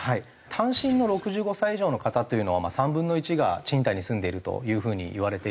単身の６５歳以上の方というのは３分の１が賃貸に住んでいるという風にいわれているんですけれども。